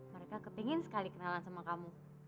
mereka kepingin sekali kenalan sama kamu